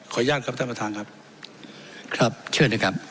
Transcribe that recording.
อนุญาตครับท่านประธานครับครับเชิญนะครับ